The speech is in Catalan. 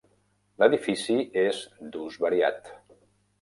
L'edifici és d'ús variat.